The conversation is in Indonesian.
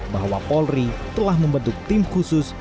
bahwa polri telah membentuk tim khusus